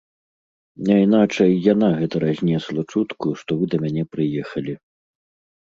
Няйначай, яна гэта разнесла чутку, што вы да мяне прыехалі.